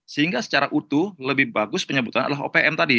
sehingga secara utuh lebih bagus penyebutan adalah opm tadi